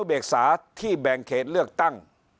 พักพลังงาน